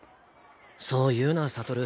そう言うな悟。